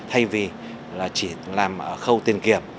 hay là chỉ làm ở khâu tiền kiểm